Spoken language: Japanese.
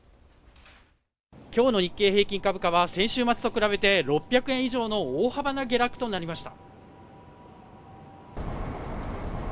きょうの日経平均株価は先週末と比べて、６００円以上の大幅な下落となりました。